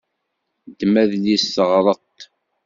Ddem adlis, teɣreḍ-t!